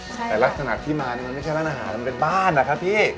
แต่ลักษณะที่มานี่มันไม่ใช่ร้านอาหารมันเป็นบ้านนะครับพี่